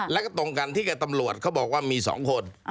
แล้วก็ตรงกันที่กับตำรวจเขาบอกว่ามี๒คน